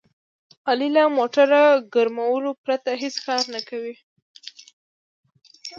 علي له موټي ګرمولو پرته هېڅ کار نه کوي.